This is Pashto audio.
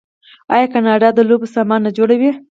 آیا کاناډا د لوبو سامان نه جوړوي؟